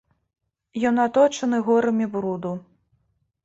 Ён аточаны горамі бруду.